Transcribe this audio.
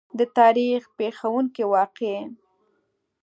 د تاریخ پېښېدونکې واقعې.